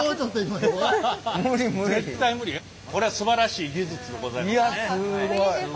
これはすばらしい技術でございますね。